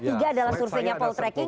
tiga adalah surveinya poltracking